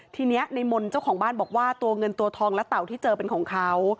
ทีนี้ในมนต์เจ้าของบ้านบอกว่าตัวเงินตัวทองและเต่าที่เจอเป็นของเขา